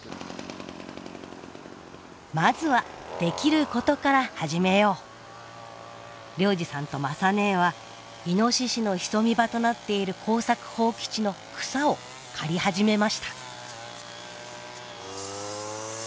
まずはできることから始めよう良治さんと雅ねえはイノシシの潜み場となっている耕作放棄地の草を刈り始めました。